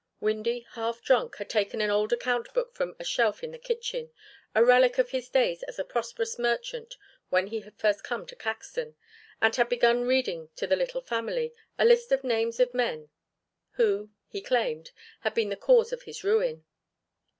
Windy, half drunk, had taken an old account book from a shelf in the kitchen, a relic of his days as a prosperous merchant when he had first come to Caxton, and had begun reading to the little family a list of names of men who, he claimed, had been the cause of his ruin.